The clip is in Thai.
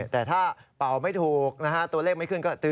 แต่ถ้าเป่าไม่ถูกนะฮะตัวเลขไม่ขึ้นก็